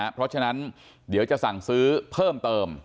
เพราะฉะนั้นเดี๋ยวจะสั่งซื้อเพิ่มเติม